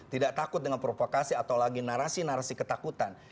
tidak takut dengan provokasi atau lagi narasi narasi ketakutan